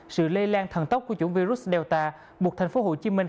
sự lây lan thần tốc của chủng virus delta buộc thành phố hồ chí minh